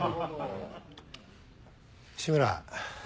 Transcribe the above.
志村。